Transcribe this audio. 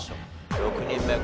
６人目昴